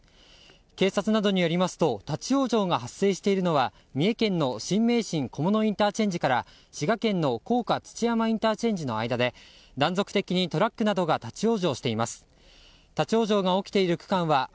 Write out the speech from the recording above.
警察などによりますと立ち往生が発生しているのは三重県の新名神菰野ＩＣから滋賀県の甲賀土山ＩＣの間で断続的にトラックなどが立ち往生しています。